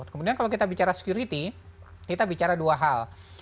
kemudian kalau kita bicara security kita bicara dua hal